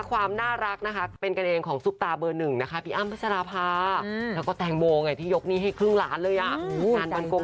คุณผู้ชมพี่เอ๋เอ๋เอียงแบบนี้ได้เกือบ๑ชั่วโมง